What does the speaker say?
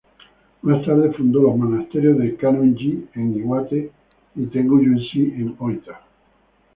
Más tarde, fundó los Monasterios Kannon-ji en Iwate, y Tetsugyu-ji en Oita.